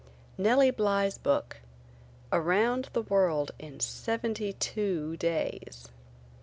NELLIE BLY'S BOOK. AROUND THE WORLD IN SEVENTY TWO DAYS.